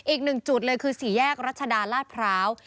อีกหนึ่งจุดเลยคือสี่แยกรัชดาลาดพร้าว